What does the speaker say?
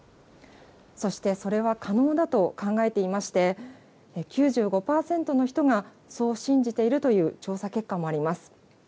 そしてそれは可能だと考えていまして、９５％の人がそう信じているという調査結果もあります。